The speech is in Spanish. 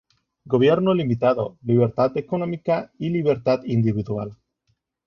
Gobierno limitado, libertad económica y libertad individual".